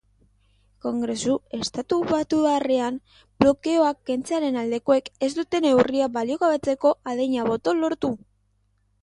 Kongresu estatubatuarrean, blokeoa kentzearen aldekoek ez dute neurria baliogabetzeko adina boto lortu.